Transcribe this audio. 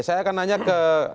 saya akan nanya ke